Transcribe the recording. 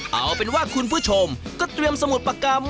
เอาเป็นว่าคุณผู้ชมก็เตรียมสมุดประกรรม